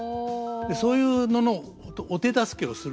そういうののお手助けをするのが。